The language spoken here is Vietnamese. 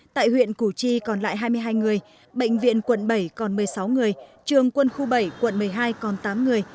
tại huyện củ chi còn lại hai mươi hai người bệnh viện quận bảy còn một mươi sáu người trường quân khu bảy quận một mươi hai còn tám người